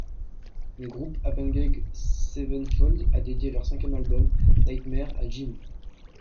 Le groupe Avenged Sevenfold a dédié leur cinquième album, Nightmare, à Jimmy.